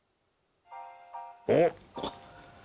おっ！